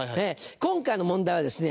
今回の問題はですね